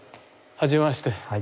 はじめまして。